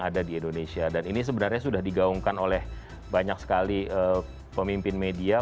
ada di indonesia dan ini sebenarnya sudah digaungkan oleh banyak sekali pemimpin media